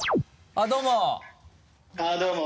あぁどうも。